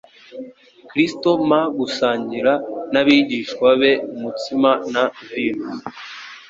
Kristo ma gusangira n'abigishwa be umutsima na vino,